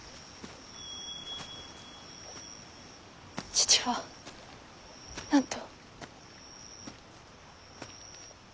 父は何と？